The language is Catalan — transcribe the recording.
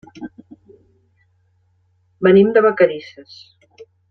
Venim de Vacarisses.